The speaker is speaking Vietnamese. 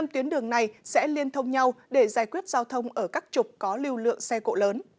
năm tuyến đường này sẽ liên thông nhau để giải quyết giao thông ở các trục có lưu lượng xe cộ lớn